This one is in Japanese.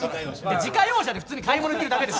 自家用車で普通に買い物に行くだけです。